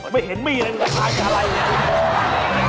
ไม่เห็นมีอะไรมีราคามีอะไรนี่